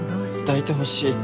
抱いてほしいって言って。